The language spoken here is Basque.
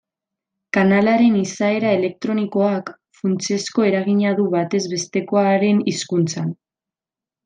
Kanalaren izaera elektronikoak funtsezko eragina du batez bestekoaren hizkuntzan.